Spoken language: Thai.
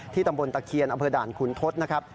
ตำบลตะเคียนอำเภอด่านขุนทศนะครับ